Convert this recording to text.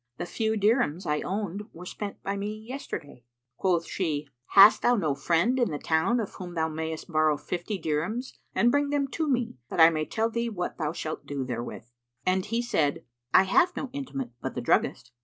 The few dirhams I owned were spent by me yesterday." Quoth she, "Hast thou no friend in the town, of whom thou mayst borrow fifty dirhams and bring them to me, that I may tell thee what thou shalt do therewith?" And he said, "I have no intimate but the druggist."